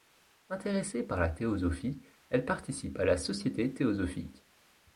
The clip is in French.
Intéressé par la théosophie, elle participe à la Société théosophique.